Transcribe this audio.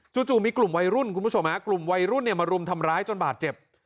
จู่มีกลุ่มวัยรุ่นคุณผู้ชมฮะกลุ่มวัยรุ่นเนี่ยมารุมทำร้ายจนบาดเจ็บ